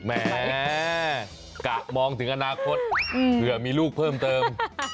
แหมกะมองถึงอนาคตเผื่อมีลูกเพิ่มเติม